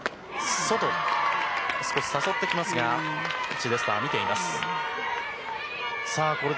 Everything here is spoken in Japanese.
外へ少し誘ってきますがチデスターは見ています。